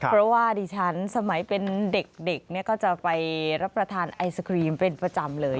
เพราะว่าดิฉันสมัยเป็นเด็กก็จะไปรับประทานไอศครีมเป็นประจำเลย